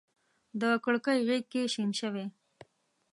د کړکۍ غیږ کي شین شوی